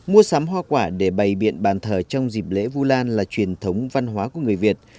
mua sắm hoa quả để bày biện bàn thờ trong dịp lễ vu lan là truyền thống văn hóa của người việt